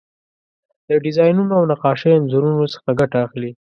د ډیزاینونو او نقاشۍ انځورونو څخه ګټه اخلي.